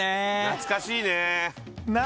懐かしい！